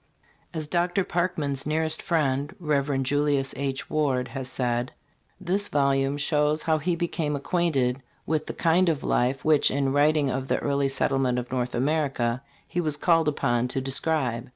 As Dr. Parkman's nearest friend, Rev. Julius H. Ward,* has said: "This volume shows how he became acquainted with the kind of life which in writing of the early settlement of North America he was called upon to describe.